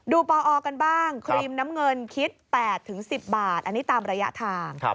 ปอกันบ้างครีมน้ำเงินคิด๘๑๐บาทอันนี้ตามระยะทาง